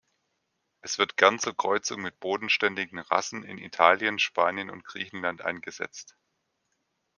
Es wird gern zur Kreuzung mit bodenständigen Rassen in Italien, Spanien und Griechenland eingesetzt.